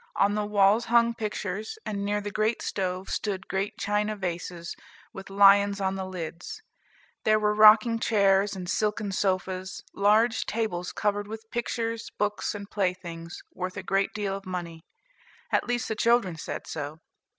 On the walls hung pictures, and near the great stove stood great china vases, with lions on the lids. There were rocking chairs, silken sofas, large tables, covered with pictures, books, and playthings, worth a great deal of money, at least, the children said so.